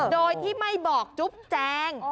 โดยที่ไม่บอกจุ๊บแจง